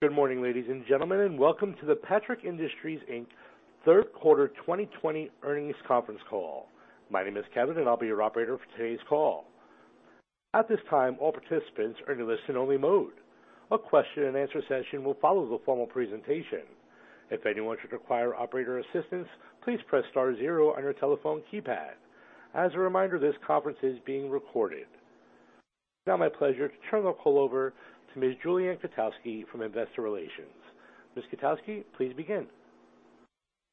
Good morning, ladies and gentlemen, and welcome to the Patrick Industries, Inc. third quarter 2020 earnings conference call. My name is Kevin, and I'll be your operator for today's call. At this time, all participants are in listen only mode. A question-and-answer session will follow the formal presentation. If anyone should require operator assistance, please press star zero on your telephone keypad. As a reminder, this conference is being recorded. It's now my pleasure to turn the call over to Ms. Julie Ann Kotowski from Investor Relations. Ms. Kotowski, please begin.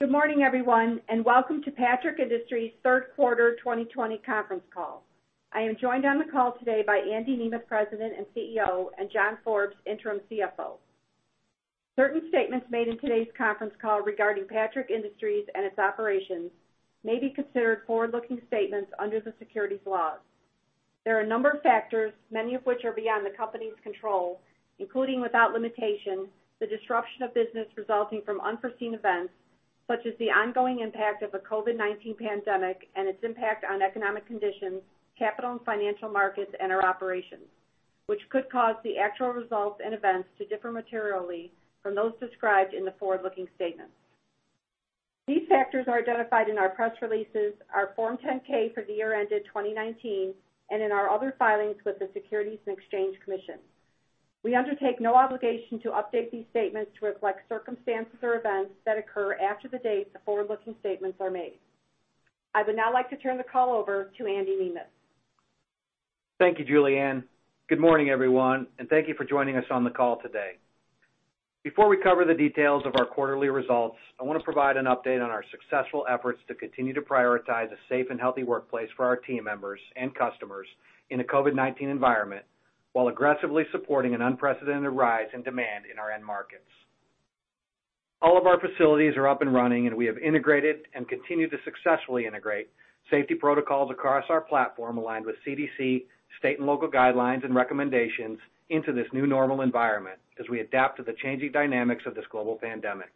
Good morning, everyone, and welcome to Patrick Industries' third quarter 2020 conference call. I am joined on the call today by Andy Nemeth, President and CEO, and John Forbes, Interim CFO. Certain statements made in today's conference call regarding Patrick Industries and its operations may be considered forward-looking statements under the securities laws. There are a number of factors, many of which are beyond the company's control, including, without limitation, the disruption of business resulting from unforeseen events, such as the ongoing impact of the COVID-19 pandemic and its impact on economic conditions, capital and financial markets, and our operations, which could cause the actual results and events to differ materially from those described in the forward-looking statements. These factors are identified in our press releases, our Form 10-K for the year ended 2019, and in our other filings with the Securities and Exchange Commission. We undertake no obligation to update these statements to reflect circumstances or events that occur after the date the forward-looking statements are made. I would now like to turn the call over to Andy Nemeth. Thank you, Julie Ann. Good morning, everyone, and thank you for joining us on the call today. Before we cover the details of our quarterly results, I want to provide an update on our successful efforts to continue to prioritize a safe and healthy workplace for our team members and customers in a COVID-19 environment, while aggressively supporting an unprecedented rise in demand in our end markets. All of our facilities are up and running, and we have integrated and continue to successfully integrate safety protocols across our platform aligned with CDC, state, and local guidelines and recommendations into this new normal environment as we adapt to the changing dynamics of this global pandemic.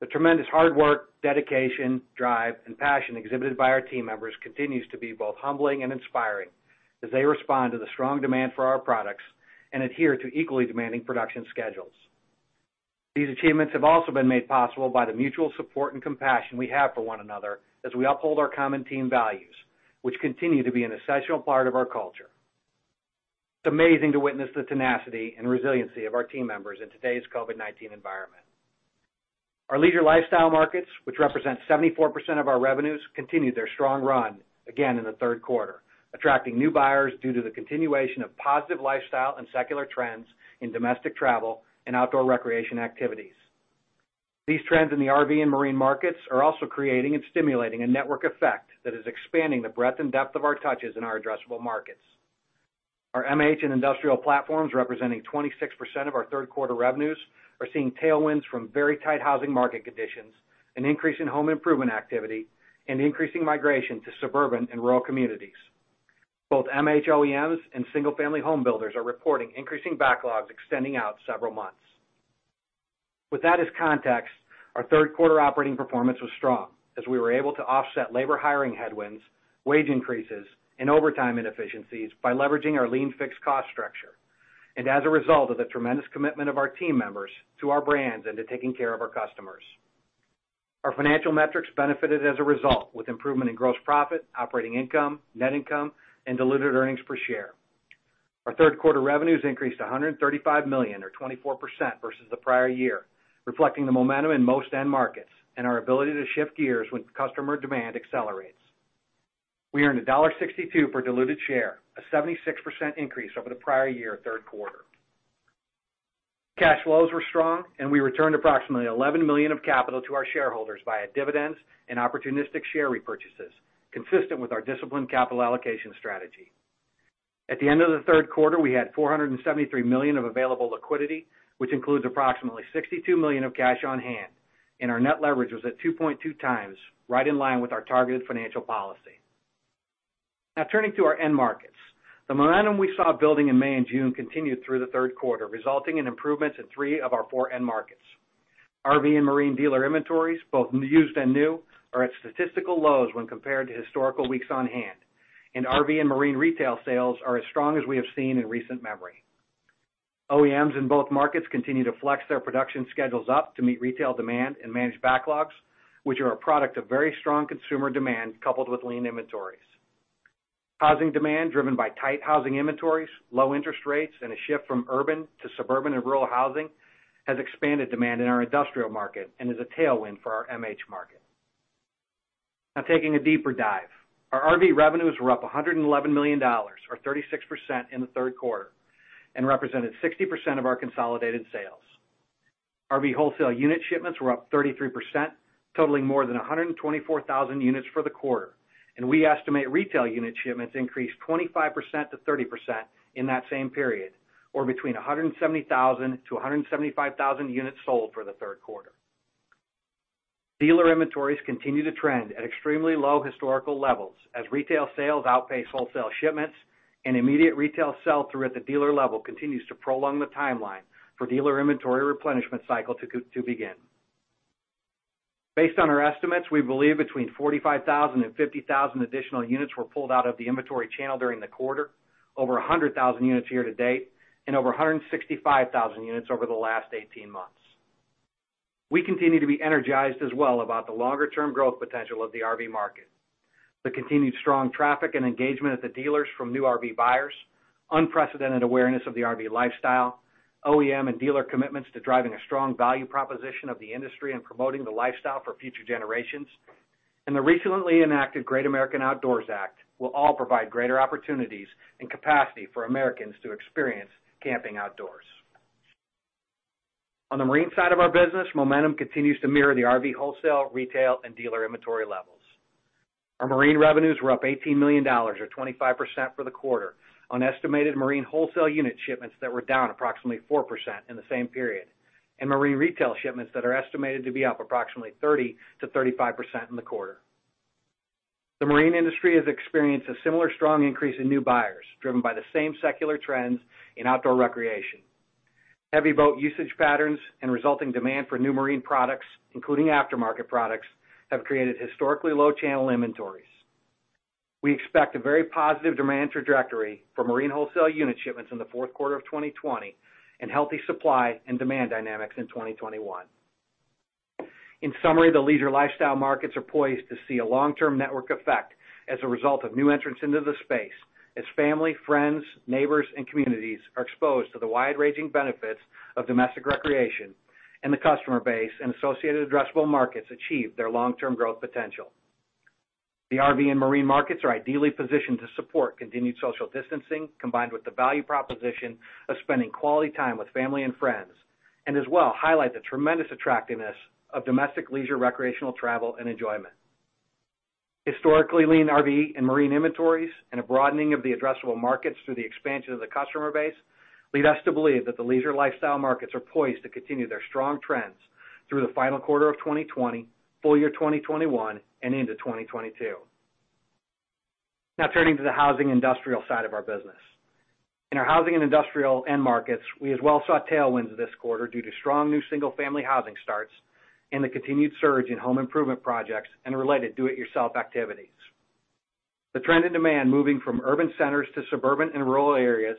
The tremendous hard work, dedication, drive, and passion exhibited by our team members continues to be both humbling and inspiring as they respond to the strong demand for our products and adhere to equally demanding production schedules. These achievements have also been made possible by the mutual support and compassion we have for one another as we uphold our common team values, which continue to be an essential part of our culture. It's amazing to witness the tenacity and resiliency of our team members in today's COVID-19 environment. Our leisure lifestyle markets, which represent 74% of our revenues, continued their strong run again in the third quarter, attracting new buyers due to the continuation of positive lifestyle and secular trends in domestic travel and outdoor recreation activities. These trends in the RV and marine markets are also creating and stimulating a network effect that is expanding the breadth and depth of our touches in our addressable markets. Our MH and industrial platforms, representing 26% of our third quarter revenues, are seeing tailwinds from very tight housing market conditions, an increase in home improvement activity, and increasing migration to suburban and rural communities. Both MH OEMs and single-family home builders are reporting increasing backlogs extending out several months. With that as context, our third quarter operating performance was strong as we were able to offset labor hiring headwinds, wage increases, and overtime inefficiencies by leveraging our lean fixed cost structure, and as a result of the tremendous commitment of our team members to our brands and to taking care of our customers. Our financial metrics benefited as a result, with improvement in gross profit, operating income, net income and diluted earnings per share. Our third quarter revenues increased to $135 million or 24% versus the prior year, reflecting the momentum in most end markets and our ability to shift gears when customer demand accelerates. We earned $1.62 per diluted share, a 76% increase over the prior year third quarter. Cash flows were strong, and we returned approximately $11 million of capital to our shareholders via dividends and opportunistic share repurchases, consistent with our disciplined capital allocation strategy. At the end of the third quarter, we had $473 million of available liquidity, which includes approximately $62 million of cash on hand, and our net leverage was at 2.2x, right in line with our targeted financial policy. Turning to our end markets. The momentum we saw building in May and June continued through the third quarter, resulting in improvements in three of our four end markets. RV and marine dealer inventories, both used and new, are at statistical lows when compared to historical weeks on hand. RV and marine retail sales are as strong as we have seen in recent memory. OEMs in both markets continue to flex their production schedules up to meet retail demand and manage backlogs, which are a product of very strong consumer demand coupled with lean inventories. Housing demand driven by tight housing inventories, low interest rates, and a shift from urban to suburban and rural housing has expanded demand in our industrial market and is a tailwind for our MH market. Now taking a deeper dive. Our RV revenues were up $111 million or 36% in the third quarter and represented 60% of our consolidated sales. RV wholesale unit shipments were up 33%, totaling more than 124,000 units for the quarter, and we estimate retail unit shipments increased 25%-30% in that same period, or between 170,000-175,000 units sold for the third quarter. Dealer inventories continue to trend at extremely low historical levels as retail sales outpace wholesale shipments and immediate retail sell-through at the dealer level continues to prolong the timeline for dealer inventory replenishment cycle to begin. Based on our estimates, we believe between 45,000 and 50,000 additional units were pulled out of the inventory channel during the quarter, over 100,000 units year-to-date, and over 165,000 units over the last 18 months. We continue to be energized as well about the longer-term growth potential of the RV market. The continued strong traffic and engagement at the dealers from new RV buyers, unprecedented awareness of the RV lifestyle, OEM and dealer commitments to driving a strong value proposition of the industry and promoting the lifestyle for future generations, and the recently enacted Great American Outdoors Act will all provide greater opportunities and capacity for Americans to experience camping outdoors. On the marine side of our business, momentum continues to mirror the RV wholesale, retail, and dealer inventory levels. Our marine revenues were up $18 million, or 25% for the quarter, on estimated marine wholesale unit shipments that were down approximately 4% in the same period, and marine retail shipments that are estimated to be up approximately 30%-35% in the quarter. The marine industry has experienced a similar strong increase in new buyers, driven by the same secular trends in outdoor recreation. Heavy boat usage patterns and resulting demand for new marine products, including aftermarket products, have created historically low channel inventories. We expect a very positive demand trajectory for marine wholesale unit shipments in the fourth quarter of 2020 and healthy supply and demand dynamics in 2021. In summary, the leisure lifestyle markets are poised to see a long-term network effect as a result of new entrants into the space, as family, friends, neighbors, and communities are exposed to the wide-ranging benefits of domestic recreation, and the customer base and associated addressable markets achieve their long-term growth potential. The RV and marine markets are ideally positioned to support continued social distancing, combined with the value proposition of spending quality time with family and friends, and as well highlight the tremendous attractiveness of domestic leisure recreational travel and enjoyment. Historically lean RV and marine inventories and a broadening of the addressable markets through the expansion of the customer base lead us to believe that the leisure lifestyle markets are poised to continue their strong trends through the final quarter of 2020, full-year 2021, and into 2022. Now, turning to the housing industrial side of our business. In our housing and industrial end markets, we as well saw tailwinds this quarter due to strong new single-family housing starts and the continued surge in home improvement projects and related do-it-yourself activities. The trend in demand moving from urban centers to suburban and rural areas,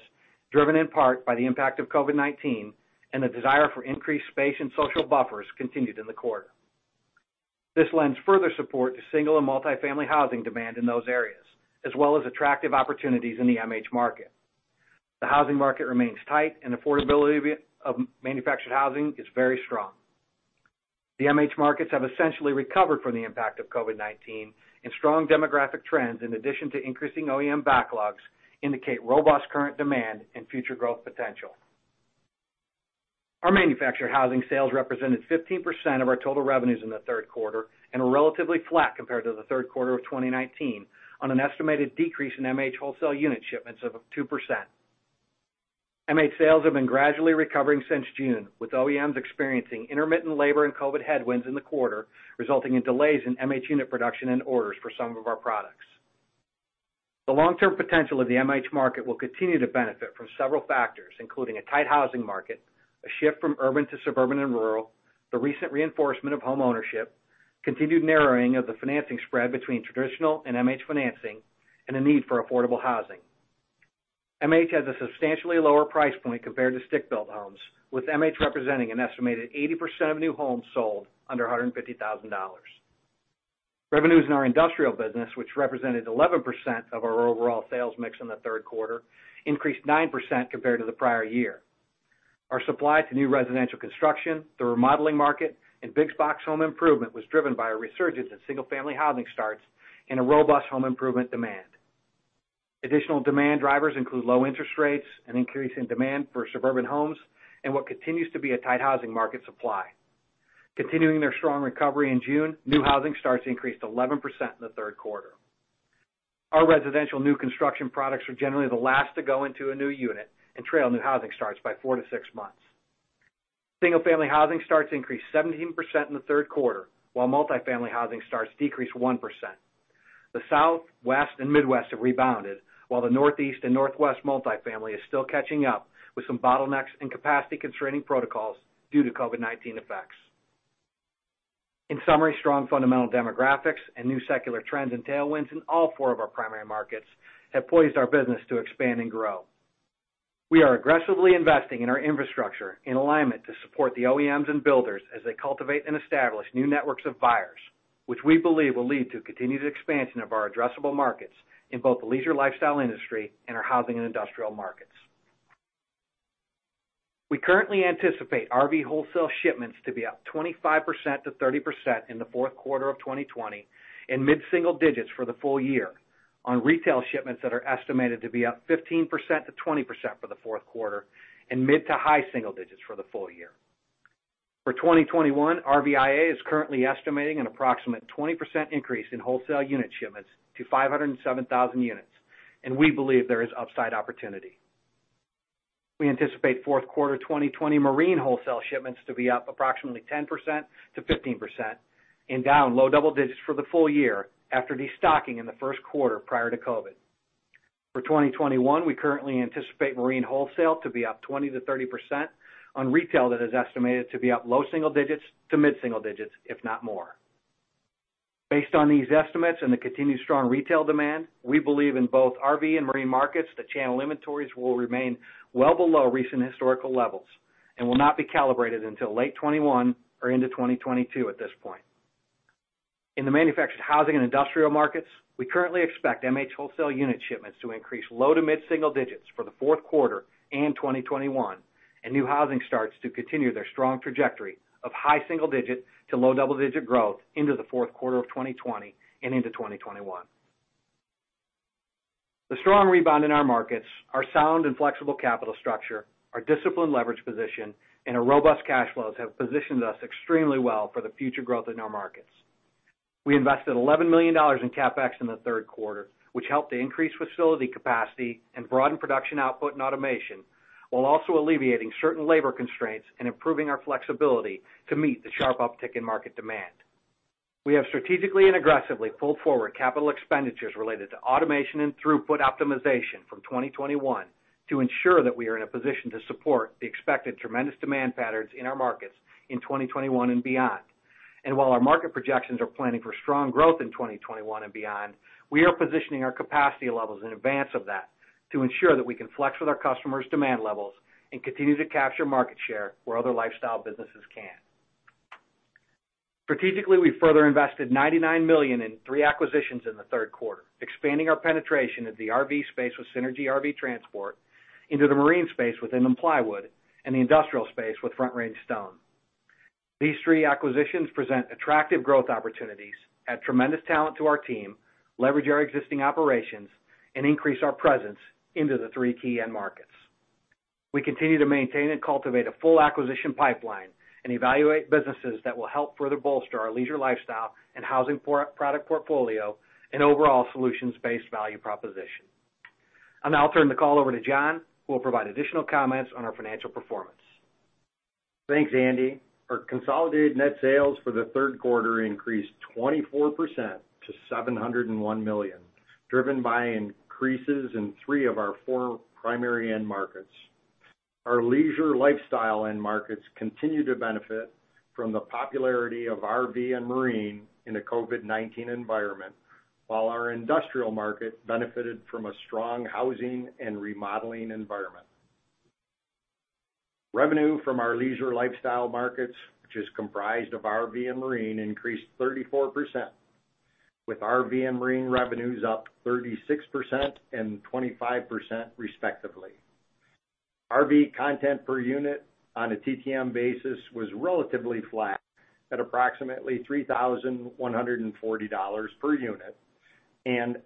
driven in part by the impact of COVID-19 and the desire for increased space and social buffers, continued in the quarter. This lends further support to single and multi-family housing demand in those areas, as well as attractive opportunities in the MH market. The housing market remains tight, and affordability of manufactured housing is very strong. The MH markets have essentially recovered from the impact of COVID-19, and strong demographic trends, in addition to increasing OEM backlogs, indicate robust current demand and future growth potential. Our manufactured housing sales represented 15% of our total revenues in the third quarter and were relatively flat compared to the third quarter of 2019 on an estimated decrease in MH wholesale unit shipments of 2%. MH sales have been gradually recovering since June, with OEMs experiencing intermittent labor and COVID headwinds in the quarter, resulting in delays in MH unit production and orders for some of our products. The long-term potential of the MH market will continue to benefit from several factors, including a tight housing market, a shift from urban to suburban and rural, the recent reinforcement of homeownership, continued narrowing of the financing spread between traditional and MH financing, and a need for affordable housing. MH has a substantially lower price point compared to stick-built homes, with MH representing an estimated 80% of new homes sold under $150,000. Revenues in our industrial business, which represented 11% of our overall sales mix in the third quarter, increased 9% compared to the prior year. Our supply to new residential construction, the remodeling market, and big box home improvement was driven by a resurgence in single-family housing starts and a robust home improvement demand. Additional demand drivers include low interest rates, an increase in demand for suburban homes, and what continues to be a tight housing market supply. Continuing their strong recovery in June, new housing starts increased 11% in the third quarter. Our residential new construction products were generally the last to go into a new unit and trail new housing starts by four to six months. Single-family housing starts increased 17% in the third quarter, while multi-family housing starts decreased 1%. The South, West, and Midwest have rebounded, while the Northeast and Northwest multi-family is still catching up with some bottlenecks and capacity constraining protocols due to COVID-19 effects. In summary, strong fundamental demographics and new secular trends and tailwinds in all four of our primary markets have poised our business to expand and grow. We are aggressively investing in our infrastructure in alignment to support the OEMs and builders as they cultivate and establish new networks of buyers, which we believe will lead to continued expansion of our addressable markets in both the leisure lifestyle industry and our housing and industrial markets. We currently anticipate RV wholesale shipments to be up 25%-30% in the fourth quarter of 2020 and mid-single digits for the full-year on retail shipments that are estimated to be up 15%-20% for the fourth quarter and mid to high single digits for the full-year. For 2021, RVIA is currently estimating an approximate 20% increase in wholesale unit shipments to 507,000 units, and we believe there is upside opportunity. We anticipate fourth quarter 2020 marine wholesale shipments to be up approximately 10%-15% and down low double digits for the full-year after destocking in the first quarter prior to COVID. For 2021, we currently anticipate marine wholesale to be up 20%-30%. On retail, that is estimated to be up low single digits to mid-single digits, if not more. Based on these estimates and the continued strong retail demand, we believe in both RV and marine markets that channel inventories will remain well below recent historical levels and will not be calibrated until late 2021 or into 2022 at this point. In the manufactured housing and industrial markets, we currently expect MH wholesale unit shipments to increase low to mid-single digits for the fourth quarter and 2021, and new housing starts to continue their strong trajectory of high single digit to low double-digit growth into the fourth quarter of 2020 and into 2021. The strong rebound in our markets, our sound and flexible capital structure, our disciplined leverage position, and our robust cash flows have positioned us extremely well for the future growth in our markets. We invested $11 million in CapEx in the third quarter, which helped to increase facility capacity and broaden production output and automation, while also alleviating certain labor constraints and improving our flexibility to meet the sharp uptick in market demand. We have strategically and aggressively pulled forward capital expenditures related to automation and throughput optimization from 2021 to ensure that we are in a position to support the expected tremendous demand patterns in our markets in 2021 and beyond. While our market projections are planning for strong growth in 2021 and beyond, we are positioning our capacity levels in advance of that to ensure that we can flex with our customers' demand levels and continue to capture market share where other lifestyle businesses can't. Strategically, we further invested $99 million in three acquisitions in the third quarter, expanding our penetration of the RV space with Synergy RV Transport, into the marine space with Inland Plywood Company, and the industrial space with Front Range Stone. These three acquisitions present attractive growth opportunities, add tremendous talent to our team, leverage our existing operations, and increase our presence into the three key end markets. We continue to maintain and cultivate a full acquisition pipeline and evaluate businesses that will help further bolster our leisure lifestyle and housing product portfolio and overall solutions-based value proposition. I'll now turn the call over to John, who will provide additional comments on our financial performance. Thanks, Andy. Our consolidated net sales for the third quarter increased 24% to $701 million, driven by increases in three of our four primary end markets. Our leisure lifestyle end markets continue to benefit from the popularity of RV and marine in the COVID-19 environment, while our industrial market benefited from a strong housing and remodeling environment. Revenue from our leisure lifestyle markets, which is comprised of RV and marine, increased 34%, with RV and marine revenues up 36% and 25% respectively. RV content per unit on a TTM basis was relatively flat at approximately $3,140 per unit,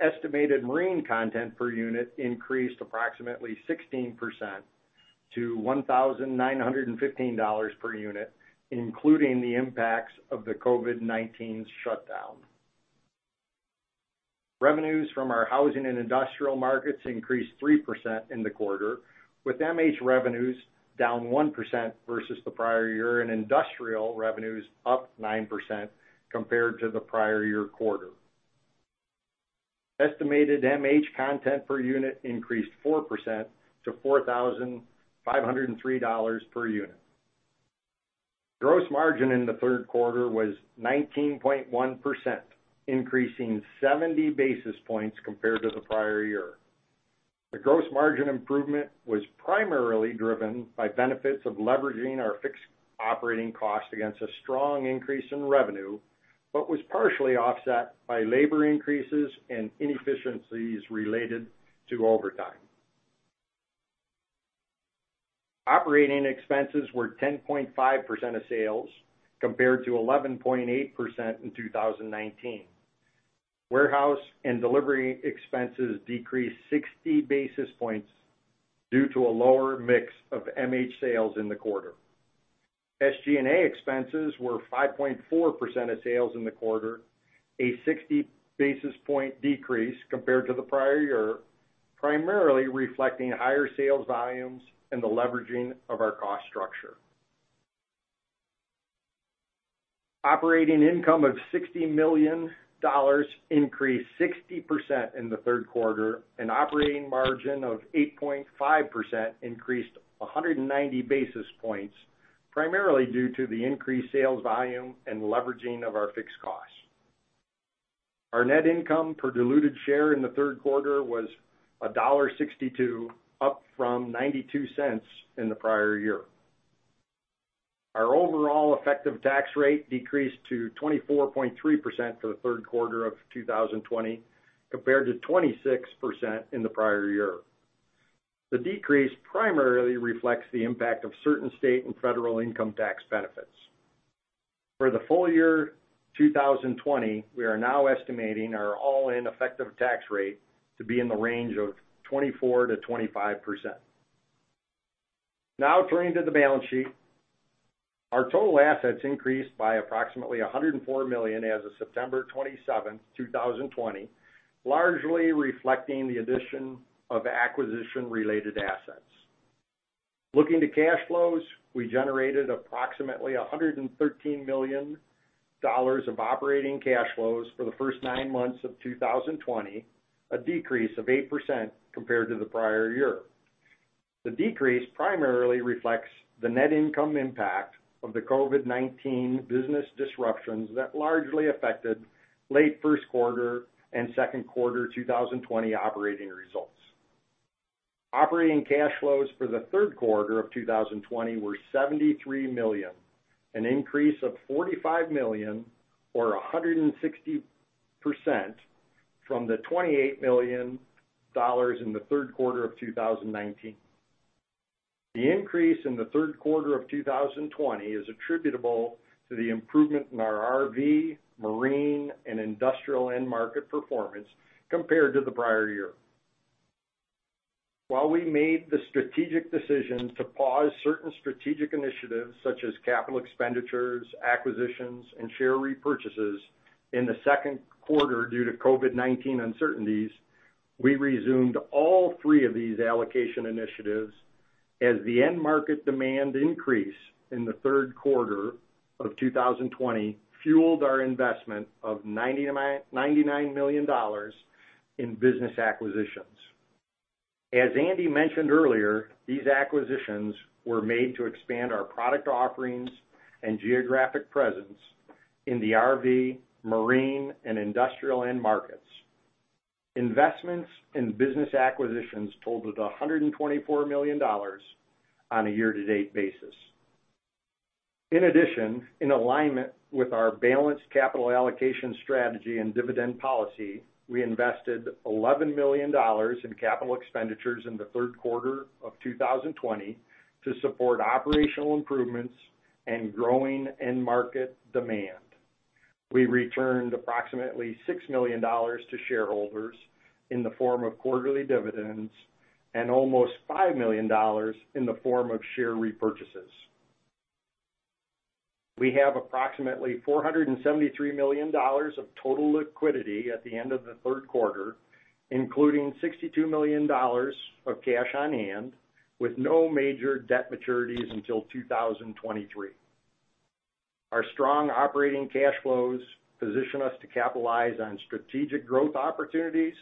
estimated marine content per unit increased approximately 16% to $1,915 per unit, including the impacts of the COVID-19 shutdown. Revenues from our housing and industrial markets increased 3% in the quarter, with MH revenues down 1% versus the prior year and industrial revenues up 9% compared to the prior year quarter. Estimated MH content per unit increased 4% to $4,503 per unit. Gross margin in the third quarter was 19.1%, increasing 70 basis points compared to the prior year. The gross margin improvement was primarily driven by benefits of leveraging our fixed operating cost against a strong increase in revenue, but was partially offset by labor increases and inefficiencies related to overtime. Operating expenses were 10.5% of sales, compared to 11.8% in 2019. Warehouse and delivery expenses decreased 60 basis points due to a lower mix of MH sales in the quarter. SG&A expenses were 5.4% of sales in the quarter, a 60 basis point decrease compared to the prior year, primarily reflecting higher sales volumes and the leveraging of our cost structure. Operating income of $60 million increased 60% in the third quarter, and operating margin of 8.5% increased 190 basis points, primarily due to the increased sales volume and leveraging of our fixed costs. Our net income per diluted share in the third quarter was $1.62, up from $0.92 in the prior year. Our overall effective tax rate decreased to 24.3% for the third quarter of 2020 compared to 26% in the prior year. The decrease primarily reflects the impact of certain state and federal income tax benefits. For the full-year 2020, we are now estimating our all-in effective tax rate to be in the range of 24%-25%. Now turning to the balance sheet. Our total assets increased by approximately $104 million as of September 27th, 2020, largely reflecting the addition of acquisition-related assets. Looking to cash flows, we generated approximately $113 million of operating cash flows for the first nine months of 2020, a decrease of 8% compared to the prior year. The decrease primarily reflects the net income impact of the COVID-19 business disruptions that largely affected late first quarter and second quarter 2020 operating results. Operating cash flows for the third quarter of 2020 were $73 million, an increase of $45 million or 160% from the $28 million in the third quarter of 2019. The increase in the third quarter of 2020 is attributable to the improvement in our RV, marine, and industrial end market performance compared to the prior year. While we made the strategic decision to pause certain strategic initiatives, such as capital expenditures, acquisitions, and share repurchases in the second quarter due to COVID-19 uncertainties, we resumed all three of these allocation initiatives as the end market demand increase in the third quarter of 2020 fueled our investment of $99 million in business acquisitions. As Andy mentioned earlier, these acquisitions were made to expand our product offerings and geographic presence in the RV, marine, and industrial end markets. Investments in business acquisitions totaled $124 million on a year-to-date basis. In addition, in alignment with our balanced capital allocation strategy and dividend policy, we invested $11 million in capital expenditures in the third quarter of 2020 to support operational improvements and growing end market demand. We returned approximately $6 million to shareholders in the form of quarterly dividends and almost $5 million in the form of share repurchases. We have approximately $473 million of total liquidity at the end of the third quarter, including $62 million of cash on hand, with no major debt maturities until 2023. Our strong operating cash flows position us to capitalize on strategic growth opportunities,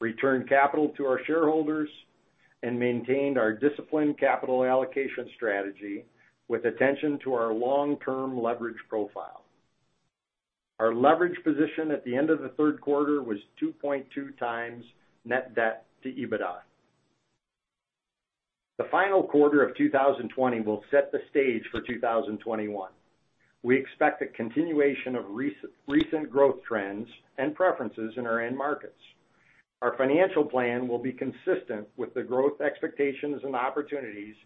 return capital to our shareholders, and maintained our disciplined capital allocation strategy with attention to our long-term leverage profile. Our leverage position at the end of the third quarter was 2.2x net debt to EBITDA. The final quarter of 2020 will set the stage for 2021. We expect a continuation of recent growth trends and preferences in our end markets. Our financial plan will be consistent with the growth expectations and opportunities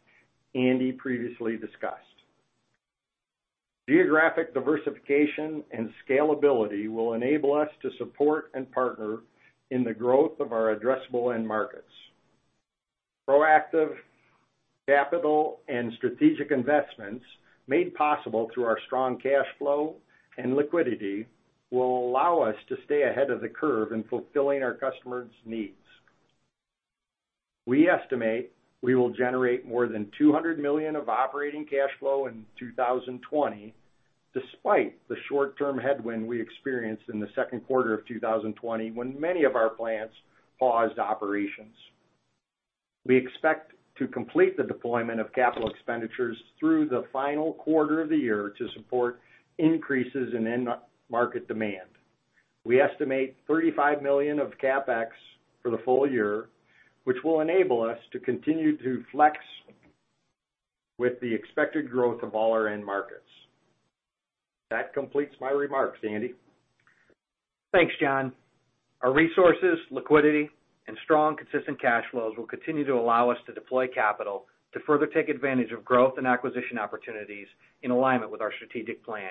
Andy previously discussed. Geographic diversification and scalability will enable us to support and partner in the growth of our addressable end markets. Proactive capital and strategic investments made possible through our strong cash flow and liquidity will allow us to stay ahead of the curve in fulfilling our customers' needs. We estimate we will generate more than $200 million of operating cash flow in 2020, despite the short-term headwind we experienced in the second quarter of 2020, when many of our plants paused operations. We expect to complete the deployment of capital expenditures through the final quarter of the year to support increases in end market demand. We estimate $35 million of CapEx for the full-year, which will enable us to continue to flex with the expected growth of all our end markets. That completes my remarks, Andy. Thanks, John. Our resources, liquidity, and strong, consistent cash flows will continue to allow us to deploy capital to further take advantage of growth and acquisition opportunities in alignment with our strategic plan.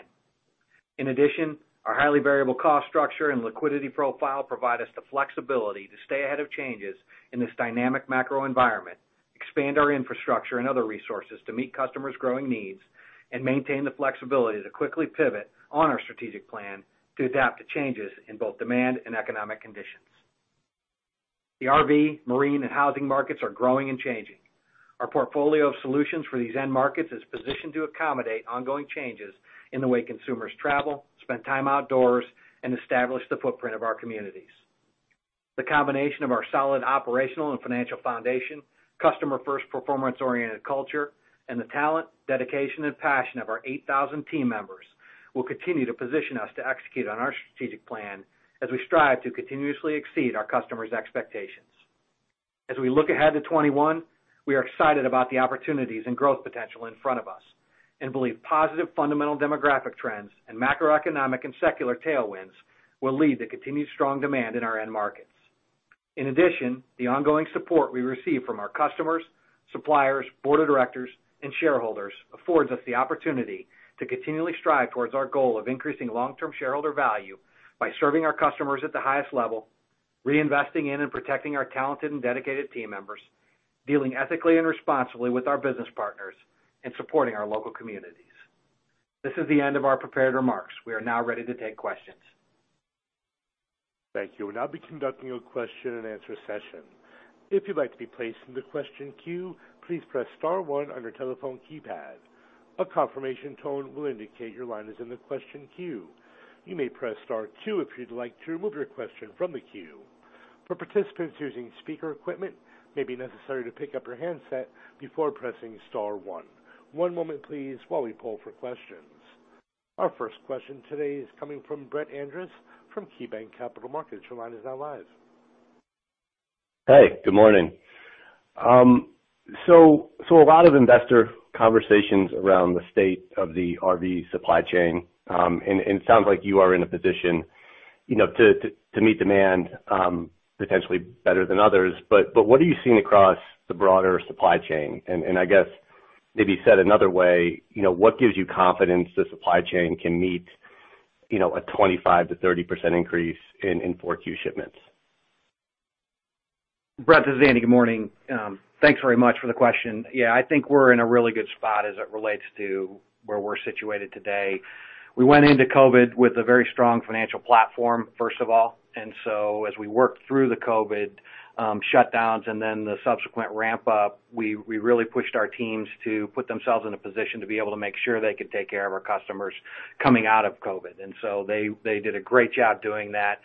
In addition, our highly variable cost structure and liquidity profile provide us the flexibility to stay ahead of changes in this dynamic macro environment, expand our infrastructure and other resources to meet customers' growing needs, and maintain the flexibility to quickly pivot on our strategic plan to adapt to changes in both demand and economic conditions. The RV, marine, and housing markets are growing and changing. Our portfolio of solutions for these end markets is positioned to accommodate ongoing changes in the way consumers travel, spend time outdoors, and establish the footprint of our communities. The combination of our solid operational and financial foundation, customer-first, performance-oriented culture, and the talent, dedication, and passion of our 8,000 team members will continue to position us to execute on our strategic plan as we strive to continuously exceed our customers' expectations. As we look ahead to 2021, we are excited about the opportunities and growth potential in front of us and believe positive fundamental demographic trends and macroeconomic and secular tailwinds will lead to continued strong demand in our end markets. In addition, the ongoing support we receive from our customers, suppliers, board of directors, and shareholders affords us the opportunity to continually strive towards our goal of increasing long-term shareholder value by serving our customers at the highest level, reinvesting in and protecting our talented and dedicated team members, dealing ethically and responsibly with our business partners, and supporting our local communities. This is the end of our prepared remarks. We are now ready to take questions. Thank you. We'll now be conducting a question-and-answer session. If you'd like to be placed in the question queue, please press star one on your telephone keypad. A confirmation tone will indicate your line is in the question queue. You may press star two if you'd like to remove your question from the queue. For participants using speaker equipment, it may be necessary to pick up your handset before pressing star one. One moment please while we poll for questions. Our first question today is coming from Brett Andress from KeyBanc Capital Markets. Your line is now live. Hey, good morning. A lot of investor conversations around the state of the RV supply chain, and it sounds like you are in a position to meet demand potentially better than others. What are you seeing across the broader supply chain? I guess, maybe said another way, what gives you confidence the supply chain can meet a 25%-30% increase in 4Q shipments? Brett, this is Andy. Good morning. Thanks very much for the question. I think we're in a really good spot as it relates to where we're situated today. We went into COVID-19 with a very strong financial platform, first of all. As we worked through the COVID-19 shutdowns and the subsequent ramp up, we really pushed our teams to put themselves in a position to be able to make sure they could take care of our customers coming out of COVID-19. They did a great job doing that.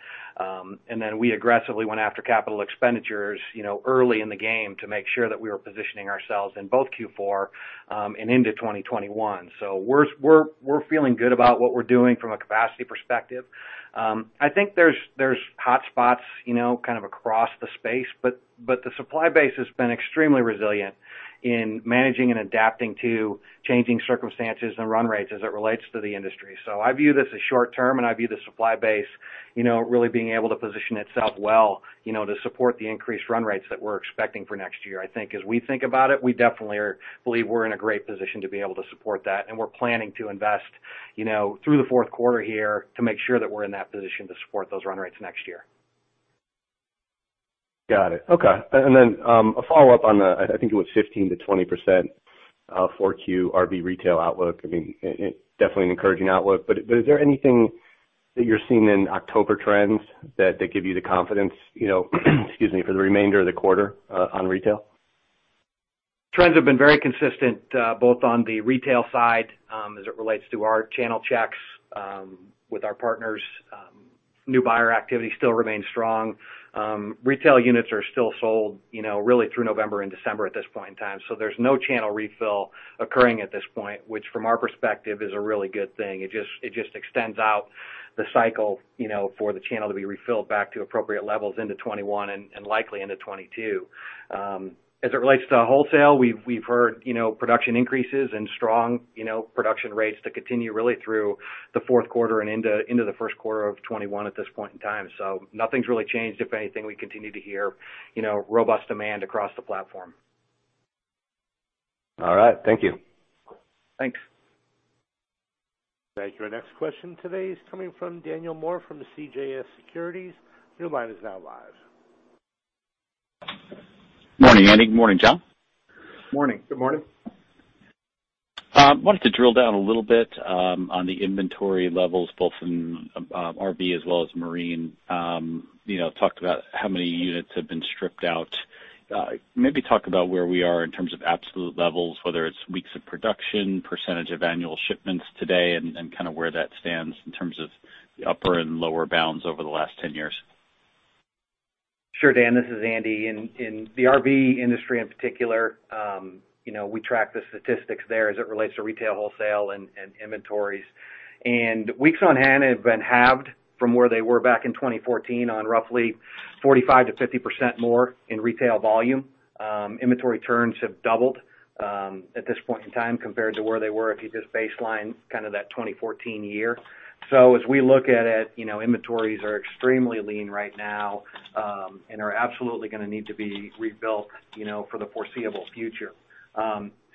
We aggressively went after capital expenditures early in the game to make sure that we were positioning ourselves in both Q4 and into 2021. We're feeling good about what we're doing from a capacity perspective. I think there's hotspots kind of across the space. The supply base has been extremely resilient in managing and adapting to changing circumstances and run rates as it relates to the industry. I view this as short-term. I view the supply base really being able to position itself well to support the increased run rates that we're expecting for next year. I think as we think about it, we definitely believe we're in a great position to be able to support that. We're planning to invest through the fourth quarter here to make sure that we're in that position to support those run rates next year. Got it. Okay. A follow-up on the, I think it was 15%-20% 4Q RV retail outlook. Definitely an encouraging outlook, is there anything that you're seeing in October trends that give you the confidence, excuse me, for the remainder of the quarter on retail? Trends have been very consistent, both on the retail side, as it relates to our channel checks with our partners. New buyer activity still remains strong. Retail units are still sold really through November and December at this point in time. There's no channel refill occurring at this point, which from our perspective, is a really good thing. It just extends out the cycle for the channel to be refilled back to appropriate levels into 2021 and likely into 2022. As it relates to wholesale, we've heard production increases and strong production rates to continue really through the fourth quarter and into the first quarter of 2021 at this point in time. Nothing's really changed. If anything, we continue to hear robust demand across the platform. All right. Thank you. Thanks. Thank you. Our next question today is coming from Daniel Moore from CJS Securities. Morning, Andy. Morning, John. Morning. Good morning. Wanted to drill down a little bit on the inventory levels, both in RV as well as marine. Talked about how many units have been stripped out. Maybe talk about where we are in terms of absolute levels, whether it's weeks of production, percentage of annual shipments today, and kind of where that stands in terms of the upper and lower bounds over the last 10 years. Sure, Dan. This is Andy. In the RV industry in particular, we track the statistics there as it relates to retail, wholesale, and inventories. Weeks on hand have been halved from where they were back in 2014 on roughly 45%-50% more in retail volume. Inventory turns have doubled at this point in time compared to where they were if you just baseline kind of that 2014 year. As we look at it, inventories are extremely lean right now, and are absolutely going to need to be rebuilt for the foreseeable future.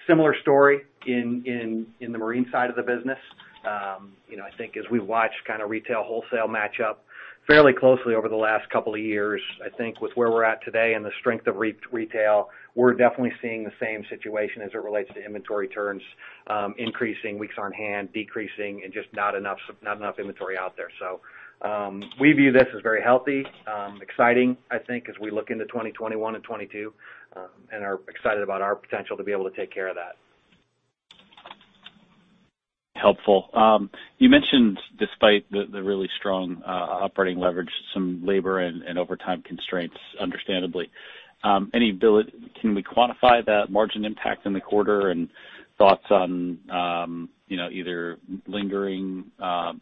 Similar story in the marine side of the business. I think as we've watched retail wholesale match up fairly closely over the last couple of years, I think with where we're at today and the strength of retail, we're definitely seeing the same situation as it relates to inventory turns increasing, weeks on hand decreasing, and just not enough inventory out there. We view this as very healthy, exciting, I think, as we look into 2021 and 2022, and are excited about our potential to be able to take care of that. Helpful. You mentioned despite the really strong operating leverage, some labor and overtime constraints, understandably. Can we quantify that margin impact in the quarter and thoughts on either lingering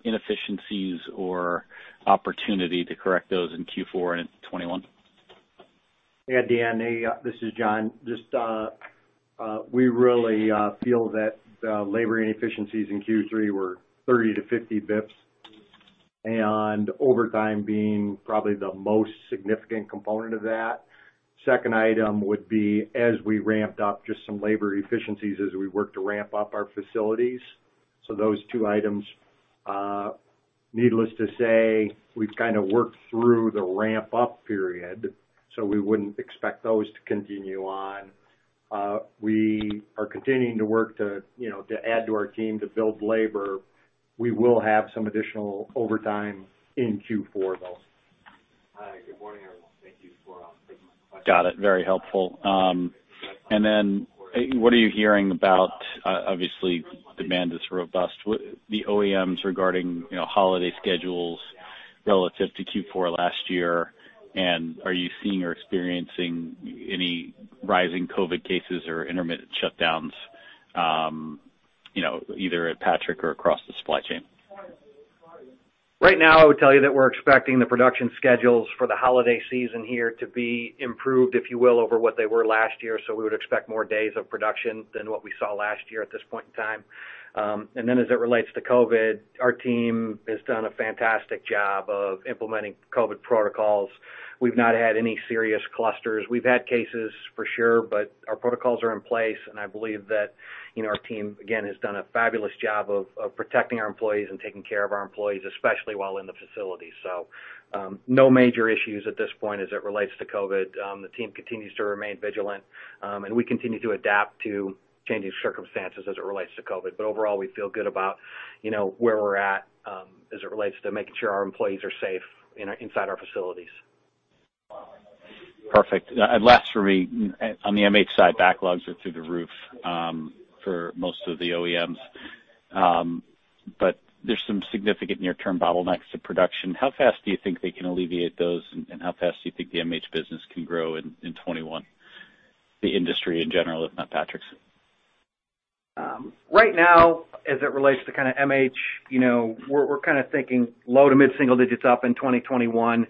inefficiencies or opportunity to correct those in Q4 and into 2021? Yeah, Dan. This is John. We really feel that labor inefficiencies in Q3 were 30 basis points to 50 basis points, and overtime being probably the most significant component of that. Second item would be as we ramped up, just some labor efficiencies as we work to ramp up our facilities. Those two items. Needless to say, we've kind of worked through the ramp-up period, so we wouldn't expect those to continue on. We are continuing to work to add to our team to build labor. We will have some additional overtime in Q4, though. Got it. Very helpful. What are you hearing about, obviously, demand is robust, the OEMs regarding holiday schedules relative to Q4 last year, and are you seeing or experiencing any rising COVID cases or intermittent shutdowns, either at Patrick or across the supply chain? Right now, I would tell you that we're expecting the production schedules for the holiday season here to be improved, if you will, over what they were last year. We would expect more days of production than what we saw last year at this point in time. As it relates to COVID, our team has done a fantastic job of implementing COVID protocols. We've not had any serious clusters. We've had cases for sure, but our protocols are in place, and I believe that our team, again, has done a fabulous job of protecting our employees and taking care of our employees, especially while in the facility. No major issues at this point as it relates to COVID. The team continues to remain vigilant, and we continue to adapt to changing circumstances as it relates to COVID. Overall, we feel good about where we're at as it relates to making sure our employees are safe inside our facilities. Perfect. Last for me, on the MH side, backlogs are through the roof for most of the OEMs. There's some significant near-term bottlenecks to production. How fast do you think they can alleviate those, and how fast do you think the MH business can grow in 2021? The industry in general, if not Patrick's. Right now, as it relates to MH, we're thinking low to mid-single digits up in 2021.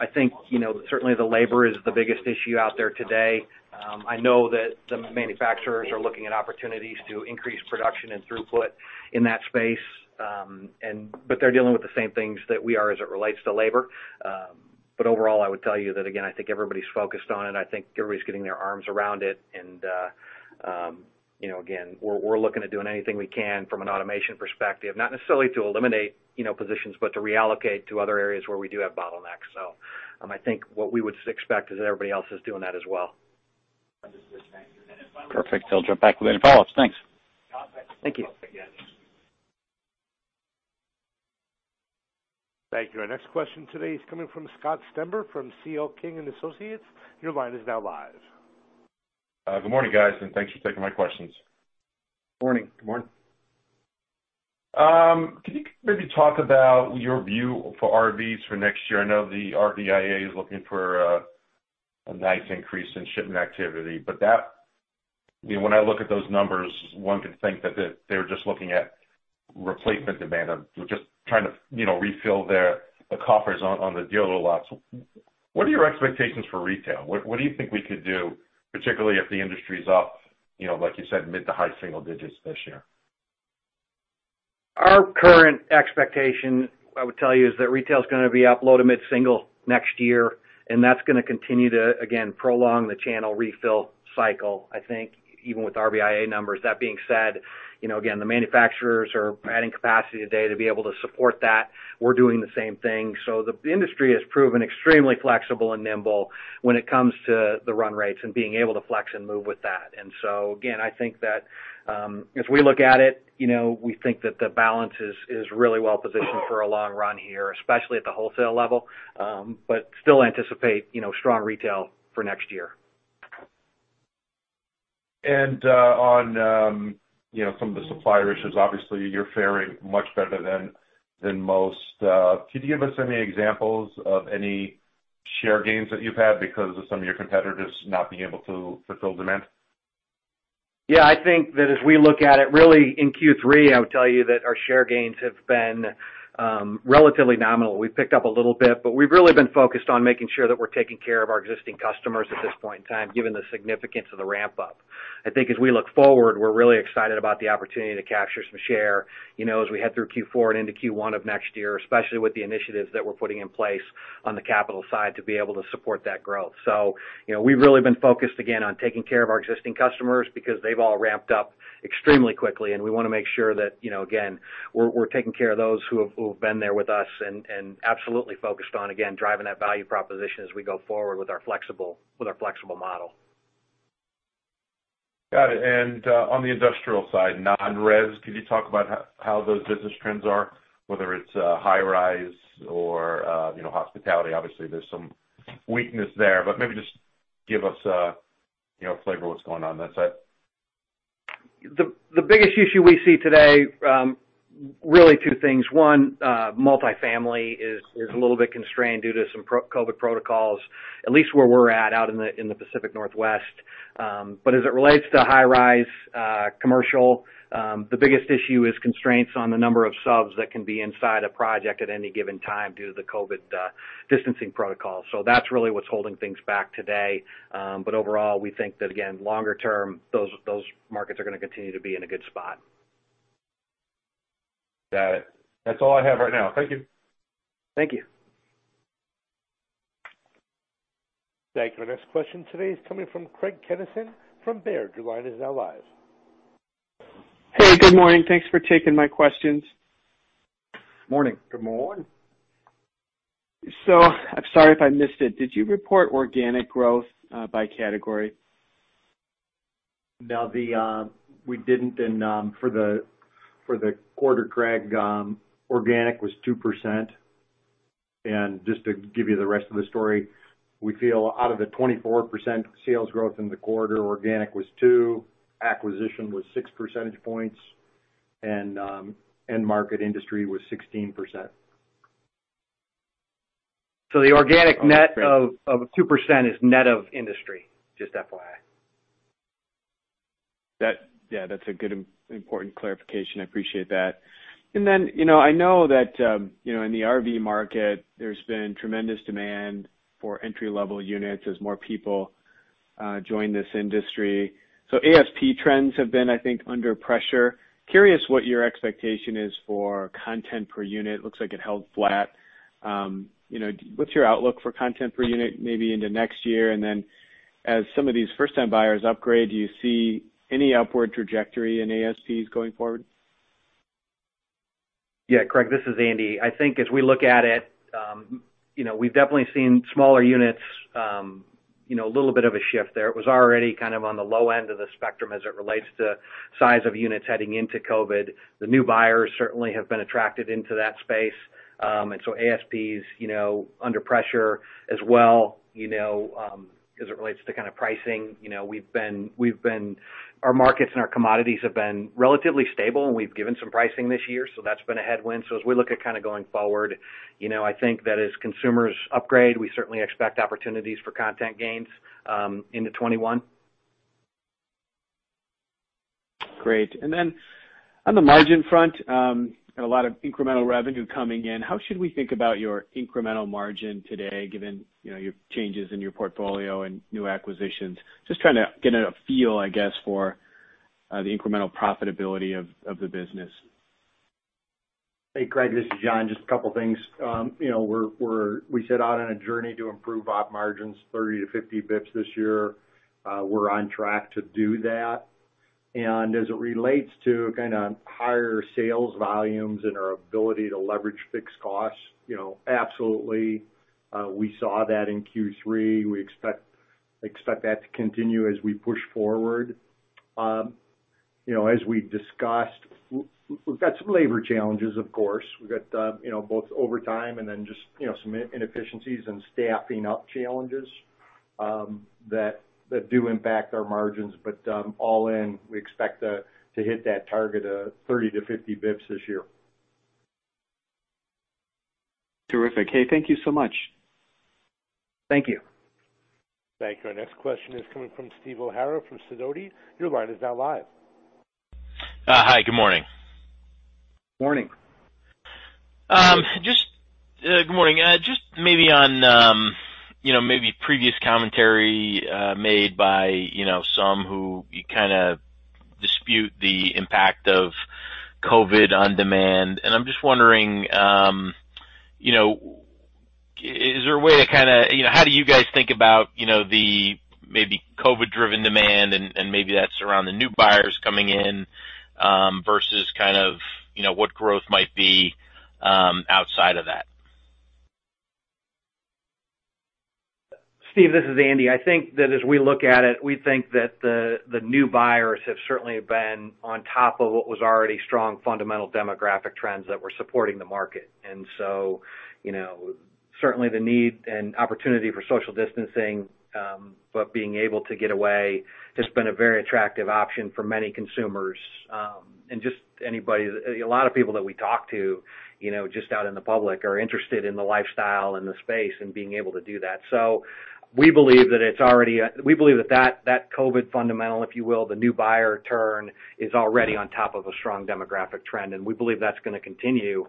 I think certainly the labor is the biggest issue out there today. I know that the manufacturers are looking at opportunities to increase production and throughput in that space. They're dealing with the same things that we are as it relates to labor. Overall, I would tell you that again, I think everybody's focused on it. I think everybody's getting their arms around it and, again, we're looking at doing anything we can from an automation perspective, not necessarily to eliminate positions, but to reallocate to other areas where we do have bottlenecks. I think what we would expect is that everybody else is doing that as well. Perfect. I'll jump back with any follow-ups. Thanks. Thank you. Thank you. Our next question today is coming from Scott Stember from C.L. King & Associates. Your line is now live. Good morning, guys, and thanks for taking my questions. Morning. Good morning. Can you maybe talk about your view for RVs for next year? I know the RVIA is looking for a nice increase in shipment activity, but when I look at those numbers, one can think that they're just looking at replacement demand. They're just trying to refill the coffers on the dealer lots. What are your expectations for retail? What do you think we could do, particularly if the industry's up, like you said, mid to high single digits this year? Our current expectation, I would tell you, is that retail is going to be up low to mid-single next year, and that's going to continue to, again, prolong the channel refill cycle, I think, even with RVIA numbers. That being said, again, the manufacturers are adding capacity today to be able to support that. We're doing the same thing. The industry has proven extremely flexible and nimble when it comes to the run rates and being able to flex and move with that. Again, I think that as we look at it, we think that the balance is really well positioned for a long run here, especially at the wholesale level. Still anticipate strong retail for next year. On some of the supplier issues, obviously, you're faring much better than most. Could you give us any examples of any share gains that you've had because of some of your competitors not being able to fulfill demand? Yeah, I think that as we look at it really in Q3, I would tell you that our share gains have been relatively nominal. We've picked up a little bit. We've really been focused on making sure that we're taking care of our existing customers at this point in time, given the significance of the ramp-up. I think as we look forward, we're really excited about the opportunity to capture some share as we head through Q4 and into Q1 of next year, especially with the initiatives that we're putting in place on the capital side to be able to support that growth. We've really been focused, again, on taking care of our existing customers because they've all ramped up extremely quickly, and we want to make sure that, again, we're taking care of those who have been there with us and absolutely focused on, again, driving that value proposition as we go forward with our flexible model. Got it. On the industrial side, non-res, could you talk about how those business trends are, whether it's high-rise or hospitality? Obviously, there's some weakness there, but maybe just give us a flavor of what's going on on that side. The biggest issue we see today, really two things. One, multifamily is a little bit constrained due to some COVID protocols, at least where we're at out in the Pacific Northwest. As it relates to high-rise commercial, the biggest issue is constraints on the number of subs that can be inside a project at any given time due to the COVID distancing protocols. That's really what's holding things back today. Overall, we think that, again, longer-term, those markets are going to continue to be in a good spot. Got it. That's all I have right now. Thank you. Thank you. Thank you. Our next question today is coming from Craig Kennison from Baird. Your line is now live. Hey, good morning. Thanks for taking my questions. Morning. Good morning. I'm sorry if I missed it. Did you report organic growth by category? No, we didn't. For the quarter, Craig, organic was 2%. Just to give you the rest of the story, we feel out of the 24% sales growth in the quarter, organic was 2%, acquisition was six percentage points, and end market industry was 16%. The organic net of 2% is net of industry. Just FYI. Yeah, that's a good, important clarification. I appreciate that. I know that in the RV market, there's been tremendous demand for entry-level units as more people join this industry. ASP trends have been, I think, under pressure. Curious what your expectation is for content per unit. Looks like it held flat. What's your outlook for content per unit, maybe into next year? As some of these first-time buyers upgrade, do you see any upward trajectory in ASPs going forward? Yeah, Craig, this is Andy. I think as we look at it, we've definitely seen smaller units, a little bit of a shift there. It was already on the low end of the spectrum as it relates to size of units heading into COVID. The new buyers certainly have been attracted into that space. ASPs under pressure as well as it relates to pricing. Our markets and our commodities have been relatively stable, and we've given some pricing this year, so that's been a headwind. As we look at going forward, I think that as consumers upgrade, we certainly expect opportunities for content gains into 2021. Great. Then on the margin front, got a lot of incremental revenue coming in. How should we think about your incremental margin today, given your changes in your portfolio and new acquisitions? Just trying to get a feel, I guess, for the incremental profitability of the business. Hey, Craig, this is John. Just a couple things. We set out on a journey to improve op margins 30-50 basis points this year. We're on track to do that. As it relates to higher sales volumes and our ability to leverage fixed costs, absolutely. We saw that in Q3. We expect that to continue as we push forward. As we've discussed, we've got some labor challenges, of course. We've got both overtime and then just some inefficiencies and staffing up challenges that do impact our margins. All in, we expect to hit that target of 30-50 basis points this year. Terrific. Hey, thank you so much. Thank you. Thank you. Our next question is coming from Steve O'Hara from Sidoti. Your line is now live. Hi, good morning. Morning. Good morning. Just maybe on previous commentary made by some who dispute the impact of COVID-19 on demand. I'm just wondering, how do you guys think about the maybe COVID-19-driven demand and maybe that's around the new buyers coming in, versus what growth might be outside of that? Steve, this is Andy. I think that as we look at it, we think that the new buyers have certainly been on top of what was already strong fundamental demographic trends that were supporting the market. Certainly the need and opportunity for social distancing, but being able to get away has been a very attractive option for many consumers. A lot of people that we talk to just out in the public are interested in the lifestyle and the space and being able to do that. We believe that that COVID-19 fundamental, if you will, the new buyer turn, is already on top of a strong demographic trend, and we believe that's going to continue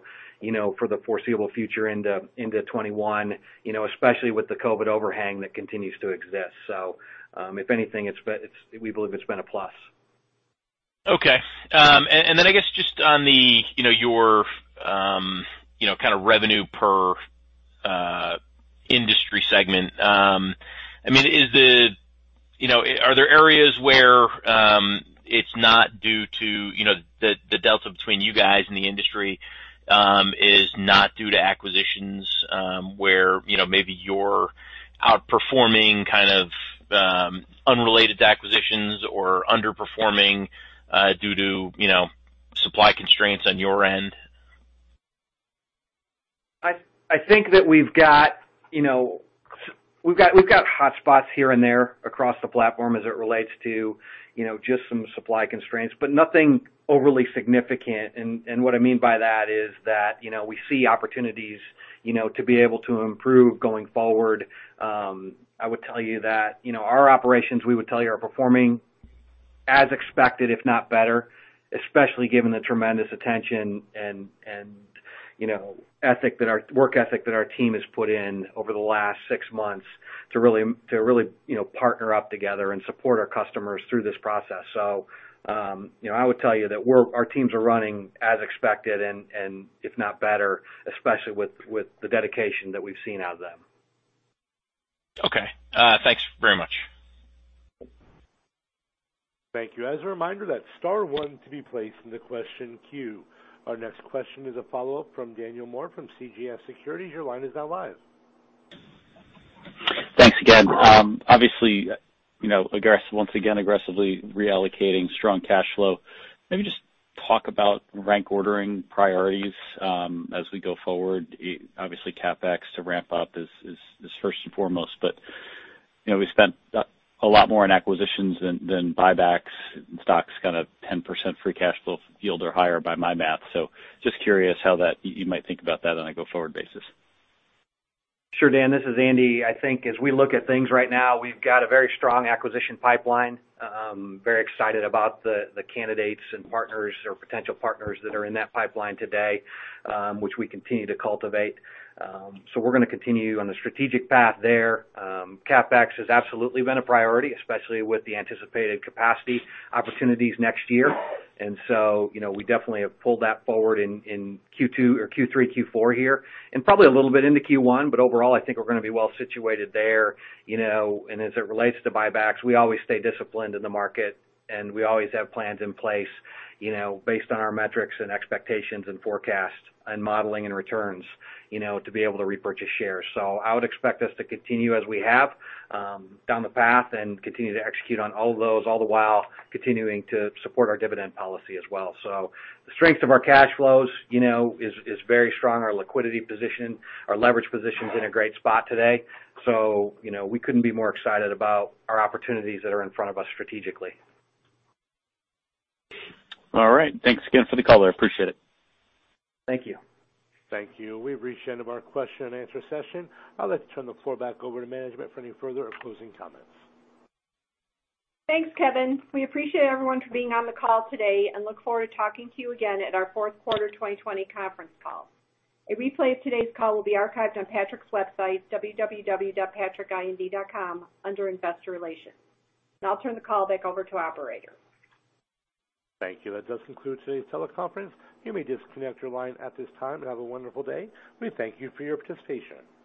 for the foreseeable future into 2021, especially with the COVID-19 overhang that continues to exist. If anything, we believe it's been a plus. Okay. I guess just on your revenue per industry segment. Are there areas where the delta between you guys and the industry is not due to acquisitions, where maybe you're outperforming unrelated acquisitions or underperforming due to supply constraints on your end? I think that we've got hotspots here and there across the platform as it relates to just some supply constraints, but nothing overly significant. What I mean by that is that we see opportunities to be able to improve going forward. I would tell you that our operations, we would tell you, are performing as expected, if not better, especially given the tremendous attention and work ethic that our team has put in over the last six months to really partner up together and support our customers through this process. I would tell you that our teams are running as expected and if not better, especially with the dedication that we've seen out of them. Okay. Thanks very much. Thank you. As a reminder, that's star one to be placed in the question queue. Our next question is a follow-up from Daniel Moore from CJS Securities. Your line is now live. Thanks again. Obviously, once again, aggressively reallocating strong cash flow. Maybe just talk about rank ordering priorities as we go forward. Obviously, CapEx to ramp up is first and foremost, but we spent a lot more on acquisitions than buybacks. Stock's kind of 10% free cash flow yield or higher by my math. Just curious how you might think about that on a go-forward basis. Sure, Dan, this is Andy. I think as we look at things right now, we've got a very strong acquisition pipeline. Very excited about the candidates and partners or potential partners that are in that pipeline today, which we continue to cultivate. We're going to continue on the strategic path there. CapEx has absolutely been a priority, especially with the anticipated capacity opportunities next year. We definitely have pulled that forward in Q2 or Q3, Q4 here, and probably a little bit into Q1, but overall, I think we're going to be well-situated there. As it relates to buybacks, we always stay disciplined in the market, and we always have plans in place based on our metrics and expectations and forecasts and modeling and returns to be able to repurchase shares. I would expect us to continue as we have down the path and continue to execute on all those, all the while continuing to support our dividend policy as well. The strength of our cash flows is very strong. Our liquidity position, our leverage position's in a great spot today. We couldn't be more excited about our opportunities that are in front of us strategically. All right. Thanks again for the call. I appreciate it. Thank you. Thank you. We've reached the end of our question and answer session. I'd like to turn the floor back over to management for any further or closing comments. Thanks, Kevin. We appreciate everyone for being on the call today and look forward to talking to you again at our fourth quarter 2020 conference call. A replay of today's call will be archived on Patrick's website, www.patrickind.com, under Investor Relations. I'll turn the call back over to operator. Thank you. That does conclude today's teleconference. You may disconnect your line at this time and have a wonderful day. We thank you for your participation.